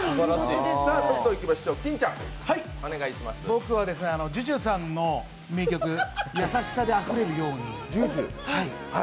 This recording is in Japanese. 僕はＪＵＪＵさんの名曲「やさしさで溢れるように」。